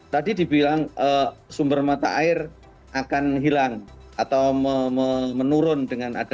tadi dibilang sumber mata air akan hilang atau menurun dengan adanya